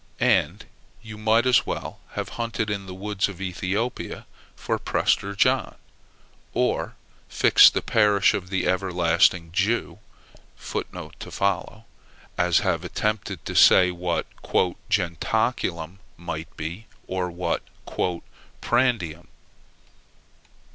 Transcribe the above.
And you might as well have hunted in the woods of Ethiopia for Prester John, or fixed the parish of the everlasting Jew, as have attempted to say what "jentaculum" might be, or what "prandium."